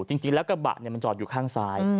จริงแล้วกระบะมันจอดอยู่ข้างซ้าย